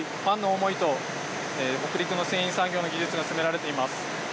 ファンの思いと、北陸の繊維産業の技術が詰められています。